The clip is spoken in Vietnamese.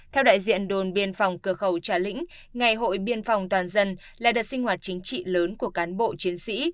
theo đại diện đồn biên phòng cửa khẩu trà lĩnh ngày hội biên phòng toàn dân là đợt sinh hoạt chính trị lớn của cán bộ chiến sĩ